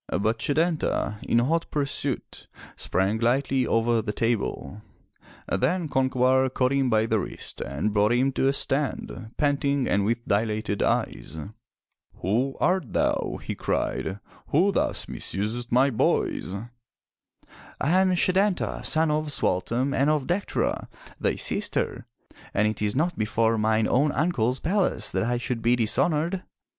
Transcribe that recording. But Setanta, in hot pursuit, sprang lightly over the table. Then Concobar caught him by the wrist and brought him to a stand, panting and with dilated eyes. "Who art thou,'* he cried, "who thus misusest my boys?'* "I am Setanta, son of Sualtam and of Dectera, thy sister, and it is not before mine own Uncle's palace that I should be dishonored.''